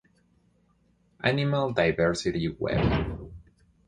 Animal Diversity Web.